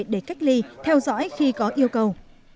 để cách ly theo dõi khi có yêu cầu